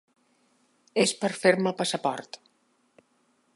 És per fer-me el passaport.